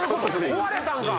壊れたんか？